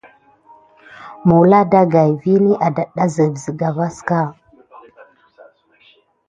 Gawla ɗagaï vini adata sika vaska.